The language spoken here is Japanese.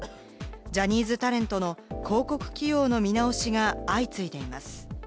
ジャニーズタレントの広告企業の見直しが相次いでいます。